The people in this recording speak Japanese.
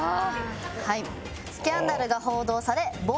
はい。